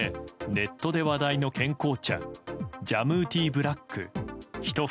ネットで話題の健康茶ジャムーティーブラック１袋